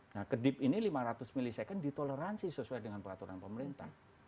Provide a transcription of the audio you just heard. nah kedip ini lima ratus ml second ditoleransi sesuai dengan peraturan pemerintah